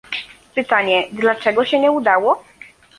Pytanie, dlaczego się nie udało?